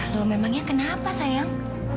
loh memangnya kenapa sayang